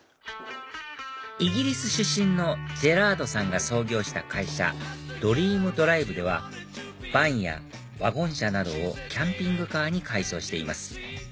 イギリス出身のジェラードさんが創業した会社ＤＲＥＡＭＤＲＩＶＥではバンやワゴン車などをキャンピングカーに改装しています